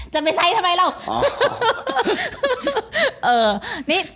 จะไปใสกะเมลกลับทำไมแล้ว